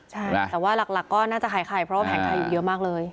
แต่ว่าหลักก็น่าจะขายไข่เพราะว่าแผงไข่อยู่เยอะมากเลย